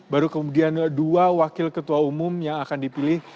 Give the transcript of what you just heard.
baru kemudian dua wakil ketua umum yang akan dipilih